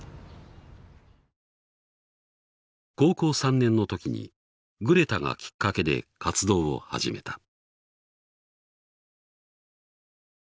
高校３年の時にグレタがきっかけで活動を始めた。